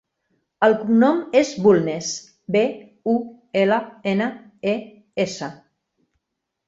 El cognom és Bulnes: be, u, ela, ena, e, essa.